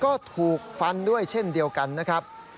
ก็ถูกฟันด้วยเช่นเดียวกันนะครับ